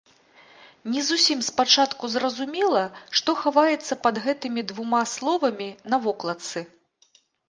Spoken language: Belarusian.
Не зусім спачатку зразумела, што хаваецца пад гэтымі двума словамі на вокладцы.